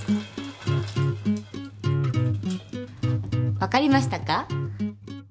わかりましたか？